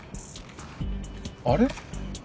あれ？